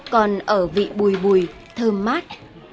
còn ở vị bùi bùi thơm mát